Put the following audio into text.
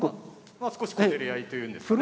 まあ少し小競り合いというんですかね